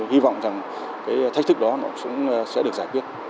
hy vọng rằng thách thức đó cũng sẽ được giải quyết